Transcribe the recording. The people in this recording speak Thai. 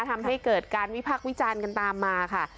ทำให้เกิดการวิพักษ์วิจารณ์กันตามมาค่ะ